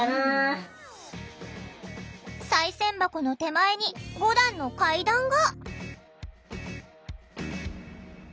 さい銭箱の手前に５段の階段が。